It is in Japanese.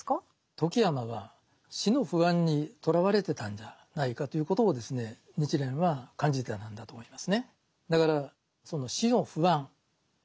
富木尼は死の不安にとらわれてたんじゃないかということを日蓮は感じてたんだと思いますね。